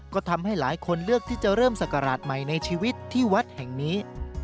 ก็ทำให้หลายคนเลือกที่จะเริ่มศักราชใหม่ในชีวิตที่วัดแห่งนี้